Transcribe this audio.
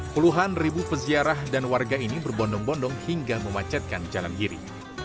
puluhan ribu peziarah dan warga ini berbondong bondong hingga memacetkan jalan giri